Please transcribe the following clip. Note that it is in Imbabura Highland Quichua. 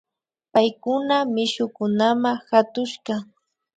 Paykuna mishukunama katushka